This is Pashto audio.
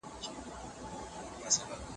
د خطا قتل په دیت کي انسان نه قصاصيږي.